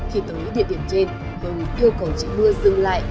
khi tới địa điểm trên hưng yêu cầu trị mưa dừng lại